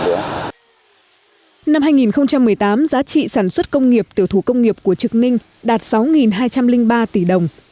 năm hai nghìn một mươi tám giá trị sản xuất công nghiệp tiểu thủ công nghiệp của trực ninh đạt sáu hai trăm linh ba tỷ đồng